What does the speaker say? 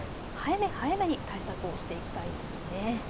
早め早めに対策をしていきたいですね。